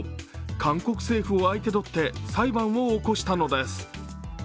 韓国政府を相手取って裁判を起こしたのです。